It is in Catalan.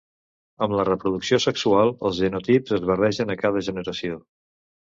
Amb la reproducció sexual, els genotips es barregen a cada generació.